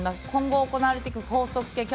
今後、行われていく高速系。